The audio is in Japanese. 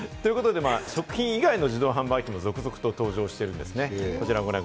食品以外の自動販売機も続々と登場しているんですね。